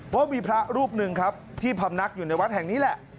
ว่ามีพระรูปหนึ่งครับที่พำนักอยู่ในวัดแห่งนี้แหละ